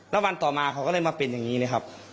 แล้ววันต่อมาเขาก็เลยมาเป็นอย่างนี้เลยครับ